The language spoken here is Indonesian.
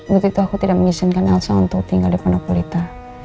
waktu itu aku tidak mengizinkan elsa untuk tinggal di ponopolita